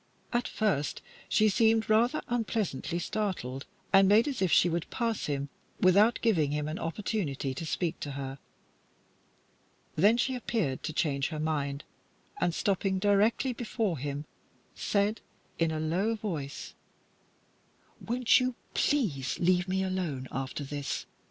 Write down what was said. At first she seemed rather unpleasantly startled, and made as if she would pass him without giving him an opportunity to speak to her. Then she appeared to change her mind, and, stopping directly before him, said, in a low voice "Won't you please leave me alone, after this?